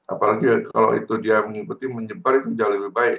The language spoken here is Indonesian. apalagi kalau itu dia mengikuti menyebar itu jauh lebih baik